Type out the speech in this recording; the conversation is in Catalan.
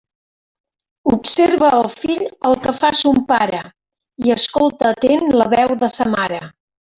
Observa el fill el que fa son pare, i escolta atent la veu de sa mare.